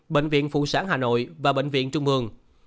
bệnh viện phụ sản hà nội và bệnh viện trung ương